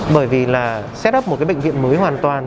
bởi vì là start up một cái bệnh viện mới hoàn toàn